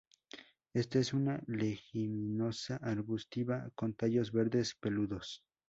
Esta es una leguminosa arbustiva con tallos verdes peludos.